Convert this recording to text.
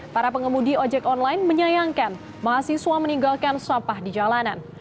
para pengemudi ojek online menyayangkan mahasiswa meninggalkan sampah di jalanan